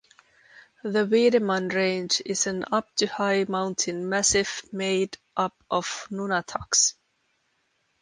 The Wiedemann Range is an up to high mountain massif made up of nunataks.